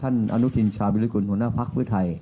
ท่านอนุทินชาววิทยาคุณหัวหน้าพักเพื่อไทย